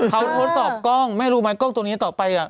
เขาทดสอบกล้องแม่รู้ไหมกล้องตัวนี้ต่อไป